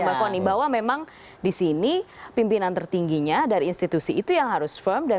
bakoni bahwa memang disini pimpinan tertingginya dari institusi itu yang harus firm dan